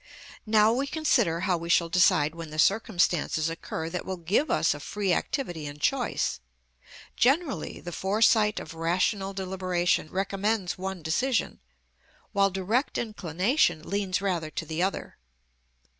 Now we consider how we shall decide when the circumstances occur that will give us a free activity and choice. Generally the foresight of rational deliberation recommends one decision, while direct inclination leans rather to the other.